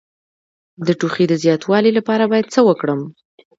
د ټوخي د زیاتوالي لپاره باید څه وکړم؟